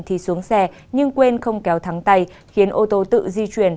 thì xuống xe nhưng quên không kéo thắng tay khiến ô tô tự di chuyển